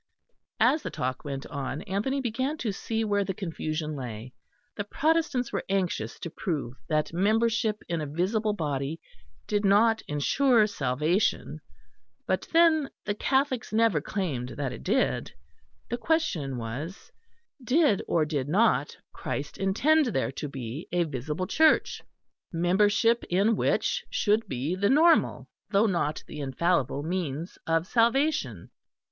As the talk went on, Anthony began to see where the confusion lay. The Protestants were anxious to prove that membership in a visible body did not ensure salvation but then the Catholics never claimed that it did; the question was: Did or did not Christ intend there to be a visible Church, membership in which should be the normal though not the infallible means of salvation?